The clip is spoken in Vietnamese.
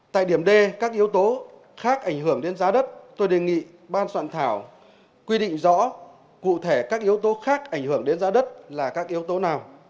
tại điểm d các yếu tố khác ảnh hưởng đến giá đất tôi đề nghị ban soạn thảo quy định rõ cụ thể các yếu tố khác ảnh hưởng đến giá đất là các yếu tố nào